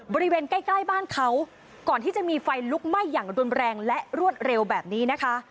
บริเวณใกล้ใกล้บ้านเขาก่อนที่จะมีไฟลุกไหม้อย่างรุนแรงและรวดเร็วแบบนี้นะคะ